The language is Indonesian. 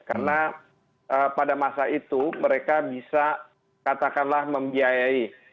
karena pada masa itu mereka bisa katakanlah membiayai